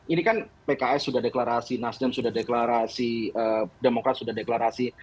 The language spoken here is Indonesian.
ini kan pks sudah deklarasi nasdem sudah deklarasi demokrat sudah deklarasi